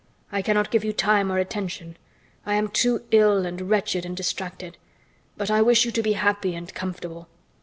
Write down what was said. I cannot give you time or attention. I am too ill, and wretched and distracted; but I wish you to be happy and comfortable.